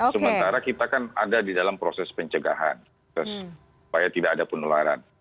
sementara kita kan ada di dalam proses pencegahan supaya tidak ada penularan